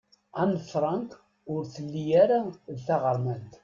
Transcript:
Anne Frank ur telli ara d taɣermant.